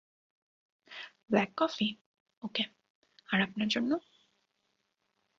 Black coffee - okay - আর আপনার জন্য?